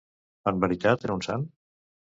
En veritat era un sant?